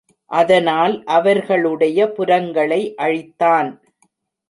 அதனால் அவர்களுடைய புரங்களை அழித்தான்.